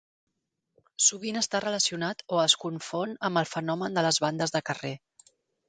Sovint està relacionat o es confon amb el fenomen de les bandes de carrer.